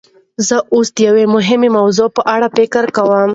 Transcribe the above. زه اوس د یوې مهمې موضوع په اړه فکر کوم.